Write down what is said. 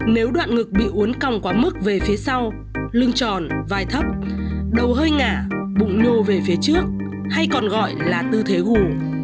nếu đoạn ngực bị uốn còng quá mức về phía sau lưng tròn vài thấp đầu hơi ngả bụng nô về phía trước hay còn gọi là tư thế gù